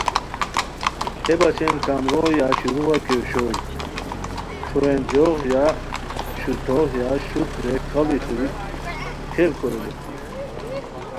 ہے بچین کم رو یا شروعہ کی اوشوئے ݯھووینݮوغ یا شو توغ یا شوت درے کاڑی ٹھوری خیل کوریلیک